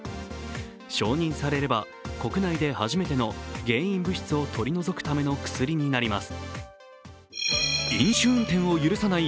承認されれば国内で初めての原因物質を取り除くための薬になります。